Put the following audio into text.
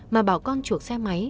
mà bảo con chuộc xe máy